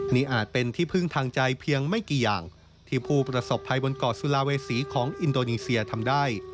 นี่อาจเป็นที่พึ่งทางใจเพียงไม่กี่อย่างที่ผู้ประสบภัยบนเกาะสุลาเวษีของอินโดนีเซียทำได้